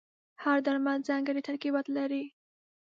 هر درمل ځانګړي ترکیبات لري.